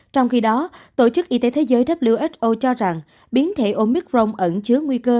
trong khi đó tổ chức y tế thế giới who cho rằng biến thể omicron ẩn chứa nguy cơ